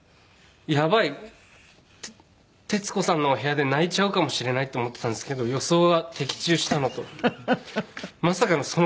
やばい徹子さんの部屋で泣いちゃうかもしれないと思ってたんですけど予想は的中したなと。